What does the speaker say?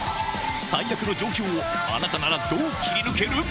最悪の状況をあなたならどう切り抜ける？